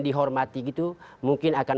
dihormati gitu mungkin akan